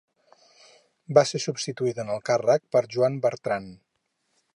Va ser substituït en el càrrec per Joan Bertran.